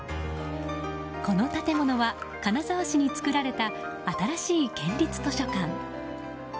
この建物は金沢市に造られた新しい県立図書館。